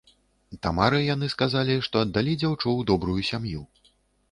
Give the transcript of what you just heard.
Тамары яны сказалі, што аддалі дзяўчо ў добрую сям'ю.